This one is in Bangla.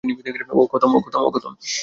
ওহ, খতম!